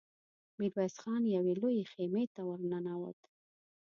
ميرويس خان يوې لويې خيمې ته ور ننوت.